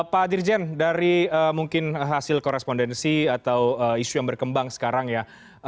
pak dirjen dari mungkin hasil korespondensi atau isu yang berkembang sekarang ya